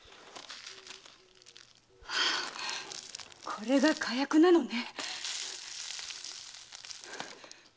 これが火薬なのね！